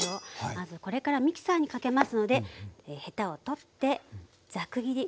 まずこれからミキサーにかけますのでヘタを取ってザク切り。